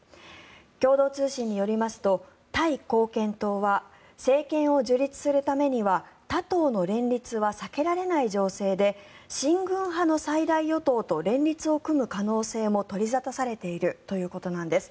共同通信によりますとタイ貢献党は政権を樹立させるためには他党の連立は避けられない情勢で親軍派の最大与党と連立を組む可能性も取り沙汰されているということなんです。